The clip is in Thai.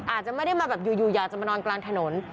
อาจจะไม่ได้มาแบบอยู่อยากจะมานอนกลางถนน